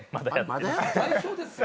代表ですよ？